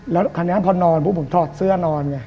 แล้วทีนี้พอนอนผมถอดเสื้อแบบนอน